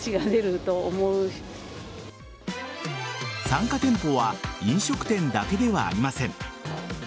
参加店舗は飲食店だけではありません。